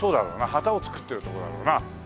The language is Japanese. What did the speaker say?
旗を作ってる所だろうな。